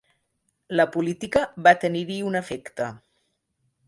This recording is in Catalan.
La política va tenir-hi un efecte.